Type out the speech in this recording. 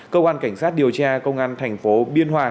công an cảnh sát điều tra công an thành phố biên hòa